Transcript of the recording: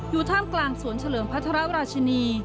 อยู่ท่ามกลางสวนเฉลิมพระธรรมราชินี